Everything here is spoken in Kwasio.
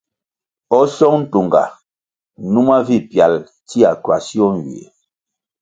O Song Ntunga, numa vi pyalʼ tsia kwasio nywie.